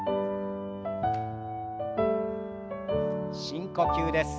深呼吸です。